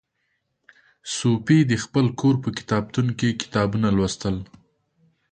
صوفي د خپل کور په کتابتون کې کتابونه لوستل.